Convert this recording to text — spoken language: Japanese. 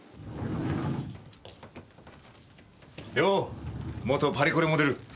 よう元パリコレモデル。